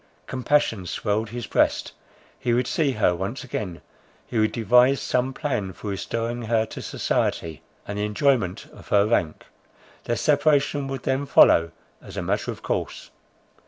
Compassion swelled his breast; he would see her once again; he would devise some plan for restoring her to society, and the enjoyment of her rank; their separation would then follow, as a matter of course.